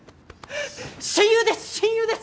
親友です親友です！